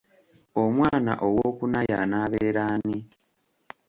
Omwana owookuna y’anaabeera ani?